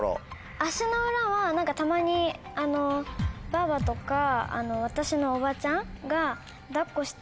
足の裏はたまにばあばとか私のおばちゃんが。